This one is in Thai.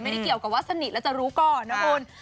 ไม่ได้เกี่ยวกับว่าสนิทแล้วจะรู้ก่อนนะคุณ